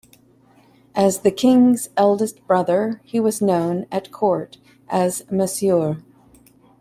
As the king's eldest brother he was known at court as "Monsieur".